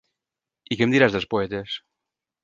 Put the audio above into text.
I què em diràs dels poetes?